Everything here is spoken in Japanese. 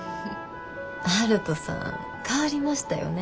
悠人さん変わりましたよね。